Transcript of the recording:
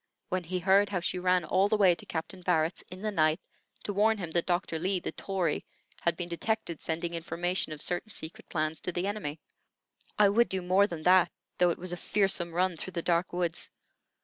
when he heard how she ran all the way to Captain Barrett's, in the night, to warn him that Doctor Lee, the Tory, had been detected sending information of certain secret plans to the enemy. "I would do more than that, though it was a fearsome run through the dark woods.